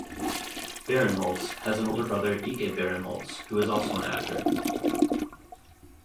Barinholtz has an older brother Ike Barinholtz who is also an actor.